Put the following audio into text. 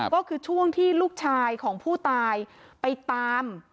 ก็คือช่วงที่ลูกชายของผู้ตายไปตาม